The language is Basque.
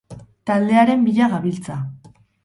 Taldearen bila gabiltza.